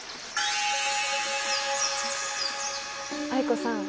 藍子さん